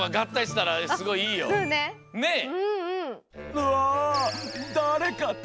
うわ！